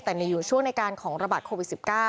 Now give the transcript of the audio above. แต่มีอยู่ช่วงในการของระบาดโควิด๑๙